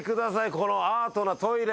このアートなトイレ。